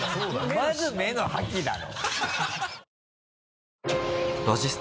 まず目の覇気だろ。